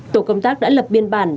tổ công tác đã lập biên bản